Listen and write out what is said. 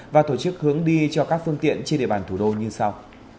và tổ chức hướng đi cho các phương tiện trên địa bàn thủ đô như sau